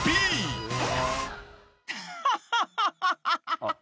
ハハハハハ！